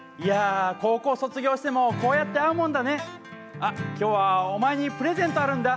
高校卒業してもこうやって会うもんだねあ、今日はお前にプレゼントあるんだ。